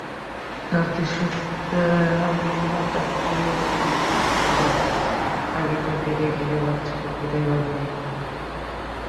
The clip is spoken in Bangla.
চার দেশে ভিন্ন চারটি কাপ ফাইনাল, ম্যাচের আগে তিনটিকেই ঘিরে বাজছিল বিদায়রাগিণী।